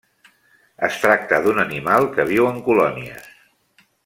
Es tracta d'un animal que viu en colònies.